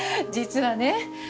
実はね